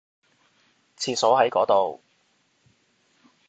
廁所喺嗰度